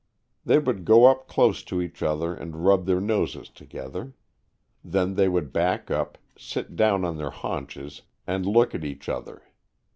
They would go up close to each other and rub their noses to gether; then they would back up, sit down on their haunches and look at each other.